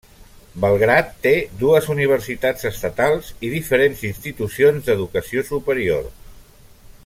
Belgrad té dues universitats estatals i diferents institucions d'educació superior.